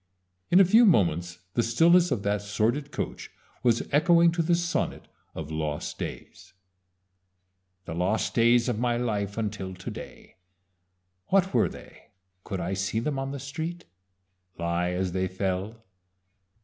In a few moments the stillness of that sordid coach was echoing to the sonnet of "Lost Days": "The lost days of my life until to day, What were they, could I see them on the street Lie as they fell?